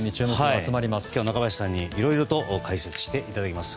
今日は中林さんにいろいろと解説していただきます。